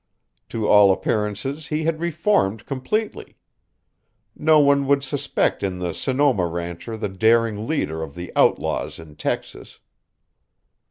To all appearances, he had reformed completely. No one would suspect in the Sonoma rancher the daring leader of the outlaws in Texas."